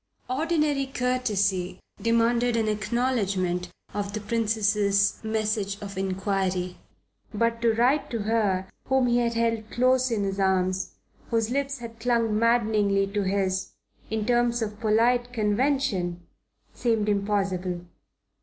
Ordinary courtesy demanded an acknowledgment of the Princess's message of inquiry. But to write to her whom he had held close in his arms, whose lips had clung maddeningly to his, in terms of polite convention seemed impossible.